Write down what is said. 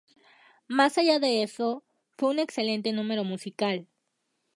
Más allá de eso, fue un excelente número musical.